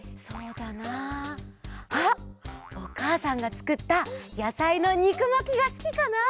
そうだなあっおかあさんがつくったやさいのにくまきがすきかな。